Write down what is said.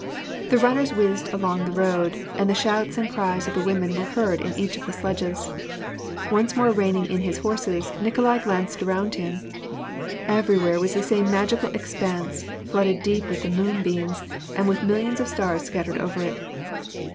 The runners whizzed along the road, and the shouts and cries of the women were heard in each of the sledges. Once more reining in his horses, Nikolai glanced around him. Everywhere was the same magical expanse, flooded deep with the moonbeams, and with millions of stars scattered over it.